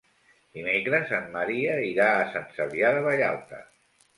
Dimecres en Maria irà a Sant Cebrià de Vallalta.